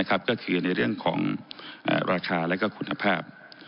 ก็คือในเรื่องของราคาและคุณภาพ